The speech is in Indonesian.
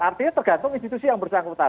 artinya tergantung institusi yang bersangkutan